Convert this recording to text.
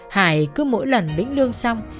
hải cứ mỗi lần lĩnh lương xong